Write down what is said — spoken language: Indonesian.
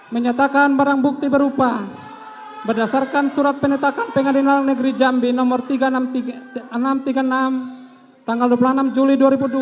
menyatakan barang bukti berupa berdasarkan surat penetakan pengadilan negeri jambi no tiga enam ratus tiga puluh enam tanggal dua puluh enam juli dua ribu dua puluh